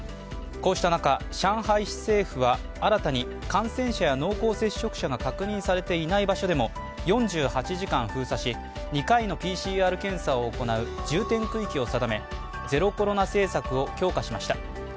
こうした中、上海市政府は新たに感染者や濃厚接者が確認されていない場所でも４８時間封鎖し、２回のＰＣＲ検査を行う重点区域を定めゼロコロナ政策を強化しました。